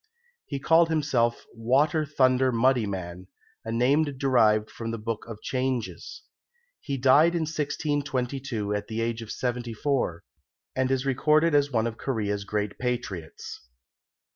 He called himself "Water thunder Muddy man," a name derived from the Book of Changes. He died in 1622 at the age of seventy four, and is recorded as one of Korea's great patriots.